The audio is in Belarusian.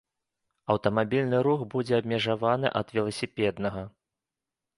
Аўтамабільны рух будзе абмежаваны ад веласіпеднага.